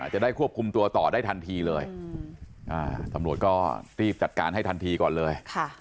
จะได้ควบคุมตัวต่อได้ทันทีเลยตำรวจก็รีบจัดการให้ทันทีก่อนเลย